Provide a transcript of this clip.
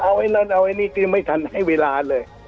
เอาไอ้นั่นเอาไอ้นี่คือไม่ทันให้เวลาเลย